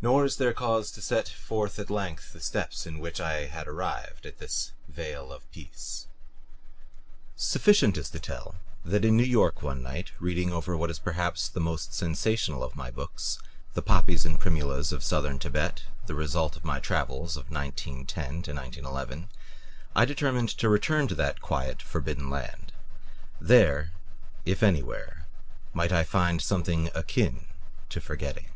Nor is there cause to set forth at length the steps by which I had arrived at this vale of peace. Sufficient is to tell that in New York one night, reading over what is perhaps the most sensational of my books "The Poppies and Primulas of Southern Tibet," the result of my travels of 1910 1911, I determined to return to that quiet, forbidden land. There, if anywhere, might I find something akin to forgetting.